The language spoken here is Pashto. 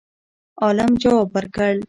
عالم جواب ورکړ